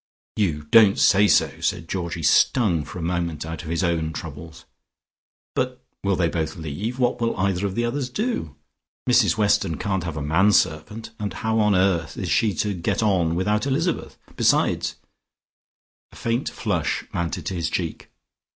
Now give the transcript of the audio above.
"You don't say so!" said Georgie, stung for a moment out of his own troubles. "But will they both leave? What will either of the others do? Mrs Weston can't have a manservant, and how on earth is she to get on without Elizabeth? Besides " A faint flush mounted to his cheek.